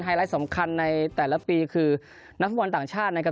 ไลท์สำคัญในแต่ละปีคือนักฟุตบอลต่างชาตินะครับ